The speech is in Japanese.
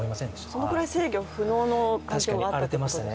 そのぐらい制御不能の状態だったということですか。